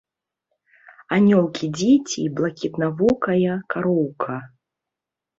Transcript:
Анёлкі-дзеці і блакітнавокая кароўка.